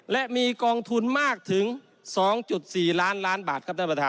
และมีกองทุนมากถึง๒๔ล้านบาท